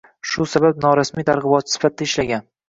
Shu sabab norasmiy targ‘ibotchi sifatida ishlagan.